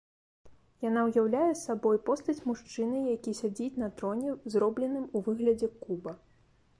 Яна ўяўляе сабой постаць мужчыны, які сядзіць на троне, зробленым у выглядзе куба.